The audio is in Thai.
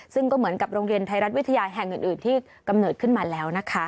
ซึ่งก็เหมือนกับโรงเรียนไทยรัฐวิทยาแห่งอื่นที่กำเนิดขึ้นมาแล้วนะคะ